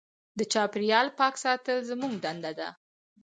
د چاپېریال پاک ساتل زموږ دنده ده.